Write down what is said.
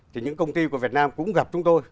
thì những công ty của việt nam cũng gặp chúng tôi